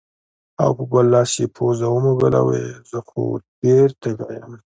او پۀ بل لاس يې پوزه ومږله وې زۀ خو ډېر تږے يم